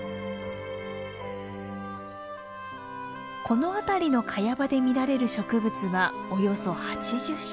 この辺りのカヤ場で見られる植物はおよそ８０種。